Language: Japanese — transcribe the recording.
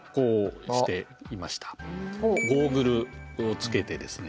ゴーグルをつけてですね